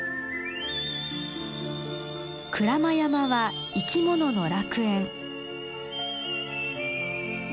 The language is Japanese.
鞍馬山は生き物の楽園。